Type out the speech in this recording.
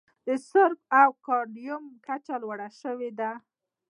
د سرب او کاډمیوم کچه لوړه شوې ده.